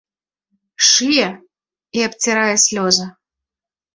Шые і абцірае слёзы.